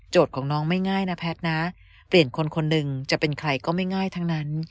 ของน้องไม่ง่ายนะแพทย์นะเปลี่ยนคนคนหนึ่งจะเป็นใครก็ไม่ง่ายทั้งนั้น